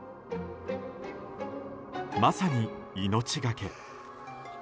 まさに命がけ。